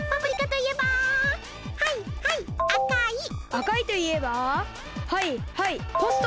あかいといえばはいはいポスト！